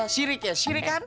sirik ya sirik kan